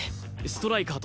ストライカー